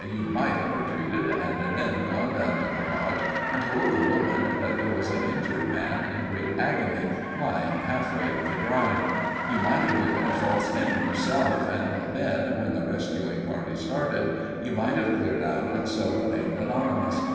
"You might have retreated, and then gone down to the lodge and told the woman that there was an injured man, in great agony, lying half way up the drive. You might have given a false name yourself, and then, when the rescuing party started, you might have cleared out and so remained anonymous.